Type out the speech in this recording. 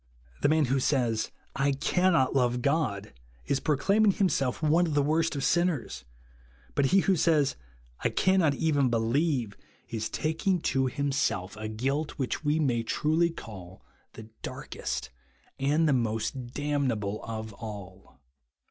The man who says, I " cannot" love God, is pro ?laiming himself one of the worst of sin ners ; but he who says, I " cannot" even believe, is taking to himself a guilt svhich BELIEVE JUST NOW. 129 we may truly call the darkest and most damnable of all.